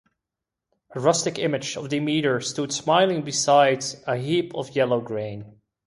A rustic image of Demeter stood smiling beside a heap of yellow grain.